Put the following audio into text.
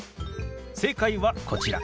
正解はこちら。